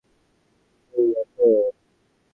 কি করি এখন।